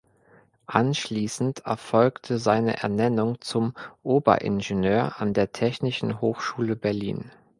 Anschließend erfolgte seine Ernennung zum Oberingenieur an der Technischen Hochschule Berlin.